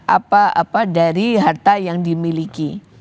apa apa dari harta yang dimiliki